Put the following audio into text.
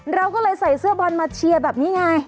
เราก็เลยใส่เสื้อบอลมาเชียร์แบบนี้ไง